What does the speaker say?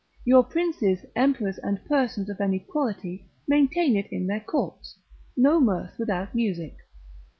Your princes, emperors, and persons of any quality, maintain it in their courts; no mirth without music.